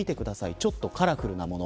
ちょっとカラフルなもの。